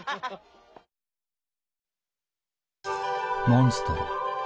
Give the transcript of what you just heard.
モンストロ。